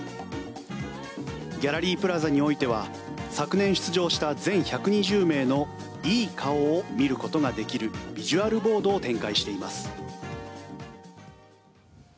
ギャラリープラザにおいては昨年、出場した全１２０名の「いい顔」を見ることができるビジュアルボードを展開しています。